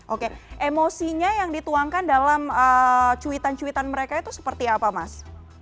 oke emosinya yang dituangkan dalam cuitan cuitan mereka itu seperti apa mas